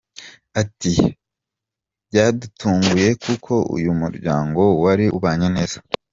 Ati ‘’Byadutunguye kuko uyu muryango wari ubanye neza.